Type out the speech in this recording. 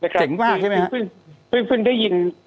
เจ๋งมากใช่ไหมฮะ